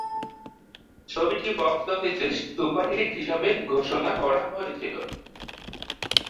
ছবিটি বক্স অফিসে সুপারহিট হিসাবে ঘোষণা করা হয়েছিল।